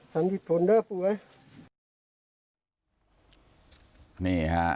สำหรับโดนที่สะพาง